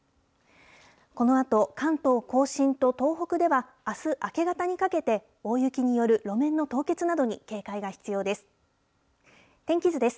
このあと、関東甲信と東北ではあす明け方にかけて、大雪による路面の凍結などに警戒が必要です。